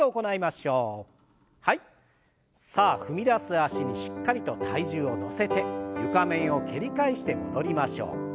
脚にしっかりと体重を乗せて床面を蹴り返して戻りましょう。